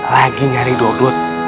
lagi nyari dodot